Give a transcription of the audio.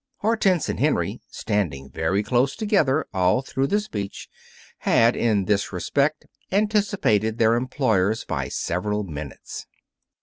Hortense and Henry, standing very close together all through the speech, had, in this respect, anticipated their employers by several minutes.